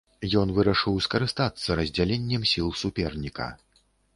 Ён вырашыў скарыстацца раздзяленнем сіл суперніка.